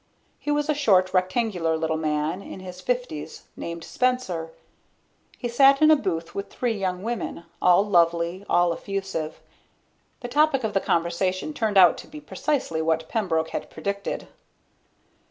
He was a short, rectangular little man in his fifties named Spencer. He sat in a booth with three young women, all lovely, all effusive. The topic of the conversation turned out to be precisely what Pembroke had predicted.